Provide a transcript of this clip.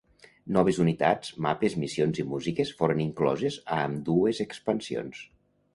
Noves unitats, mapes, missions i músiques foren incloses a ambdues expansions.